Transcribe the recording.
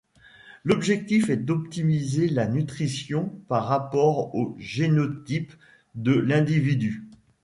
L'objectif est d'optimiser la nutrition par rapport au génotype de l'individu.